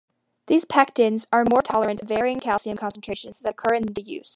These pectins are more tolerant of varying calcium concentrations that occur in use.